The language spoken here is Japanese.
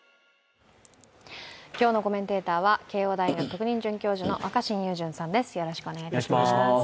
今日のコメンテーターは慶応大学特任准教授の若新雄純さんです。